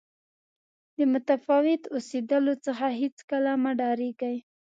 د متفاوت اوسېدلو څخه هېڅکله مه ډارېږئ.